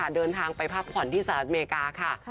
เดินทางไปพักผ่อนที่ซาลอเมริกา